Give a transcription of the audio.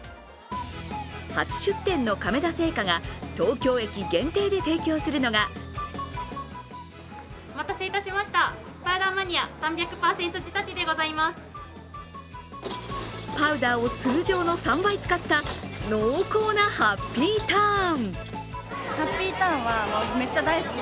初出店の亀田製菓が東京駅限定で提供するのがパウダーを通常の３倍使った濃厚なハッピーターン。